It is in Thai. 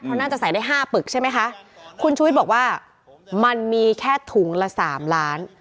เพราะน่าจะใส่ได้ห้าปึกใช่ไหมคะคุณชุวิตบอกว่ามันมีแค่ถุงละสามล้าน